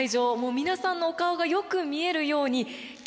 皆さんのお顔がよく見えるように客席がですね